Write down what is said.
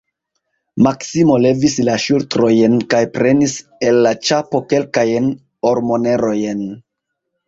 Maksimo levis la ŝultrojn kaj prenis el la ĉapo kelkajn ormonerojn.